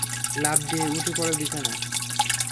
লাফ দিয়ে উঠে পড়ে বিছানায়।